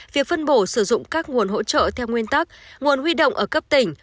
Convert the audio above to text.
việc phân bổ sử dụng các nguồn hỗ trợ theo nguyên tắc nguồn huy động ở cấp tỉnh